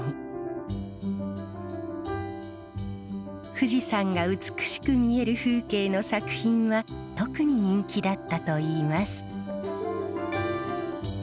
富士山が美しく見える風景の作品は特に人気だったといいます。